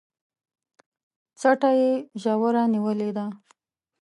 څټه يې ژوره نيولې ده